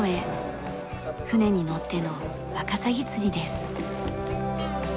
船に乗ってのワカサギ釣りです。